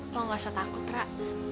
lo gak usah takut kak